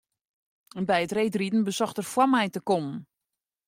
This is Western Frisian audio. By it reedriden besocht er foar my te kommen.